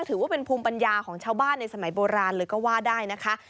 ถือว่าเป็นภูมิปัญญาของชาวบ้านในสมัยโบราณเลยก็ว่าได้นะคะ